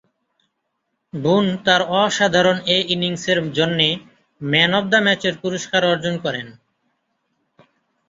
বুন তার অসাধারণ এ ইনিংসের জন্যে ম্যান অব দ্য ম্যাচের পুরস্কার অর্জন করেন।